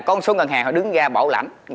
có một số ngân hàng họ đứng ra bảo lãnh